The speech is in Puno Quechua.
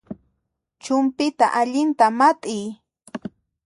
Chumpyta allinta mat'iy